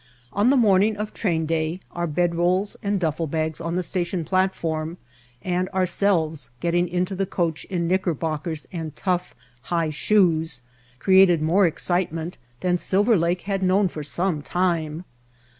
On the morning of train day our bed rolls and duffle bags on the station platform, and our selves getting into the coach in knickerbockers and tough, high shoes created more excitement than Silver Lake had known for some time.